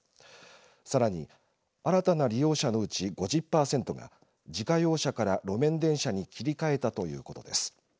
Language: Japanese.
さらに新たな利用者のうち５０パーセントが自家用車から路面電車に切り替えたということです。